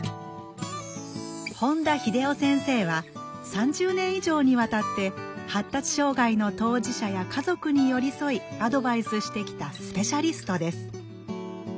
本田秀夫先生は３０年以上にわたって発達障害の当事者や家族に寄り添いアドバイスしてきたスペシャリストです